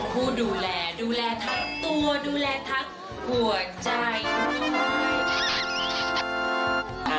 ผู้ดูแลดูแลทักตัวดูแลทักหัวใจด้วย